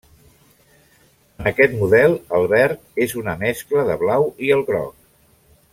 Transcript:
En aquest model, el verd és una mescla de blau i el groc.